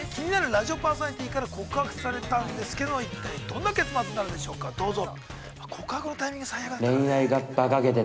ラジオパーソナリティーから告白されたんですけど一体どんな結末になるんでしょうか、どうぞ。